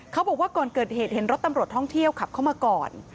บอกว่าก่อนเกิดเหตุเห็นรถตำรวจท่องเที่ยวขับเข้ามาก่อน